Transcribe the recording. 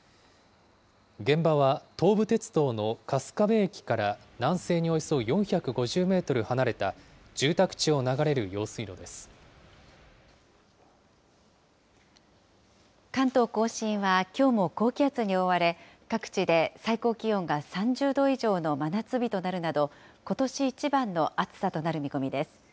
現場は東武鉄道の春日部駅から南西におよそ４５０メートル離れた関東甲信は、きょうも高気圧に覆われ、各地で最高気温が３０度以上の真夏日となるなど、ことし一番の暑さとなる見込みです。